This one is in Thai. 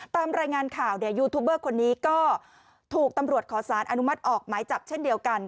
ตามรายงานข่าวเนี่ยยูทูบเบอร์คนนี้ก็ถูกตำรวจขอสารอนุมัติออกหมายจับเช่นเดียวกัน